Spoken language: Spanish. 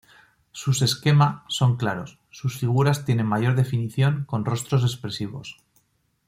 Sus esquema son claros, sus figuras tienen mayor definición, con rostros expresivos.